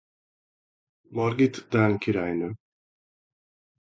Margit dán királynő.